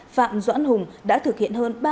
phạm doãn hùng đã thực hiện hơn